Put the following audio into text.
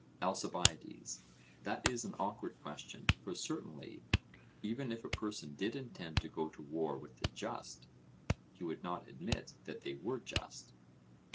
ALCIBIADES: That is an awkward question; for certainly, even if a person did intend to go to war with the just, he would not admit that they were just.